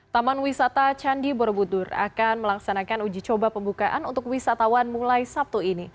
taman wisata candi borobudur akan melaksanakan uji coba pembukaan untuk wisatawan mulai sabtu ini